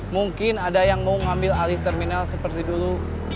mungkin ada yang mau ngambil alih terminal seperti dulu